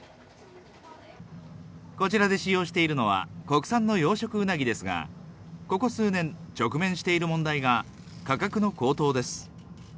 こちらで使用しているのは、国産の養殖ウナギですが、ここ数年、直面している問題が価格の高騰です。